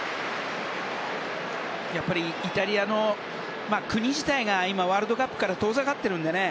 やっぱりイタリアの国自体が今、ワールドカップから遠ざかっているんでね。